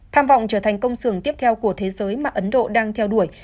tham vọng trở thành công xưởng tiếp theo của thế giới mà ấn độ đang theo đuổi